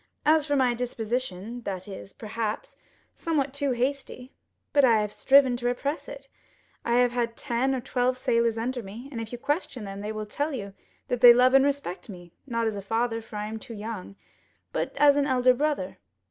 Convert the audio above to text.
As for my disposition, that is, perhaps, somewhat too hasty; but I have striven to repress it. I have had ten or twelve sailors under me, and if you question them, they will tell you that they love and respect me, not as a father, for I am too young, but as an elder brother."